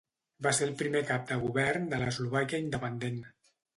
Va ser el primer cap de govern de l'Eslovàquia independent.